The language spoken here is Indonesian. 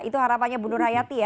itu harapannya bu nur hayati ya